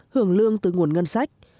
hưởng lương từ nguồn ngân sách